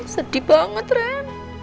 sedih banget ren